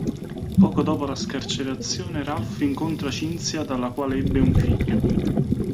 Poco dopo la scarcerazione Ralph incontra Cinzia dalla quale ebbe un figlio.